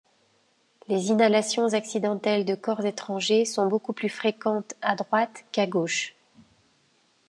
Les inhalations accidentelles de corps étrangers sont beaucoup plus fréquentes à droite qu'à gauche.